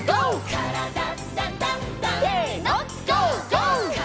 「からだダンダンダン」